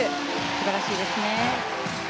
素晴らしいですね。